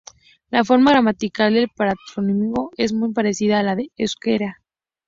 La forma gramatical del patronímico es muy parecida a la del euskera.